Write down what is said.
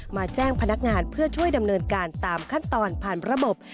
แจ้งพนักงานเพื่อช่วยดำเนินการตามขั้นตอนผ่านระบบ